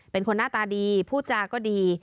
เป็นคนหน้าตาดีพูดจาก็ดี